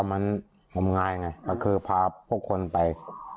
ทำงานไงอะคือพาพวกคนไป